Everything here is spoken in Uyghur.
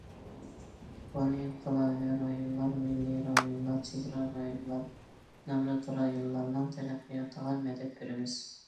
كونا ئىنقىلابىي رايونلار، مىللىي رايونلار، چېگرا رايونلار، نامرات رايونلارنىڭ تەرەققىياتىغا مەدەت بېرىمىز.